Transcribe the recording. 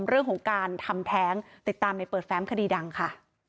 เรื่องของการทำแท้งติดตามในเปิดแฟ้มคดีดังค่ะ